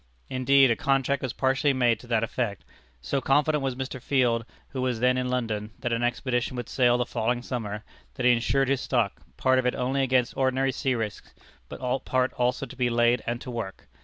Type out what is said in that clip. Indeed, a contract was partially made to that effect. So confident was Mr. Field, who was then in London, that an expedition would sail the following summer, that he insured his stock, part of it only against ordinary sea risks, but part also to be laid and to work!